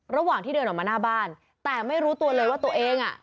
ระหว่างที่เดินออกมาหน้าบ้านแต่ไม่รู้ตัวเลยว่าตัวเองอ่ะ